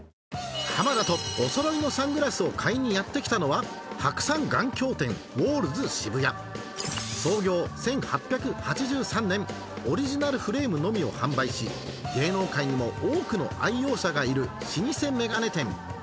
浜田とお揃いのサングラスを買いにやって来たのは創業１８８３年オリジナルフレームのみを販売し芸能界にも多くの愛用者がいる老舗眼鏡店